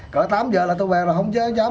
khởi tám giờ là tôi về rồi không dám